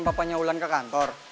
kakak nganterin papanya wulan ke kantor